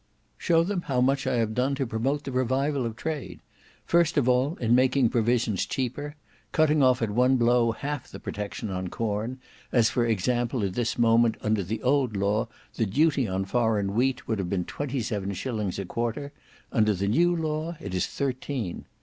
"Show them how much I have done to promote the revival of trade. First of all in making provisions cheaper; cutting off at one blow half the protection on corn, as for example at this moment under the old law the duty on foreign wheat would have been twenty seven shillings a quarter; under the new law it is thirteen.